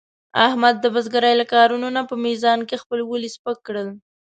احمد د بزرګرۍ له کارونو نه په میزان کې خپل ولي سپک کړل.